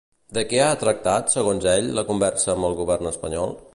De què ha de tractar, segons ell, la conversa amb el govern espanyol?